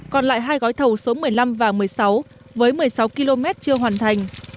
còn lại hai gói thầu số một mươi năm và một mươi sáu với một mươi sáu km chưa hoàn thành